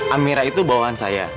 amira itu bawahan saya